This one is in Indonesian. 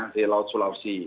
di laut sulawesi